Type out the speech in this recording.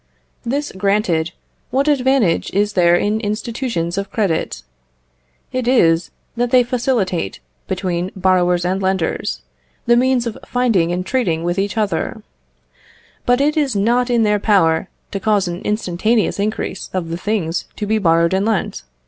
This granted, what advantage is there in institutions of credit? It is, that they facilitate, between borrowers and lenders, the means of finding and treating with each other; but it is not in their power to cause an instantaneous increase of the things to be borrowed and lent.